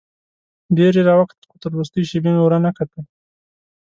ډېر یې راوکتل خو تر وروستۍ شېبې مې ور ونه کتل.